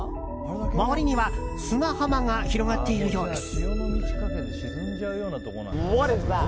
周りには砂浜が広がっているようです。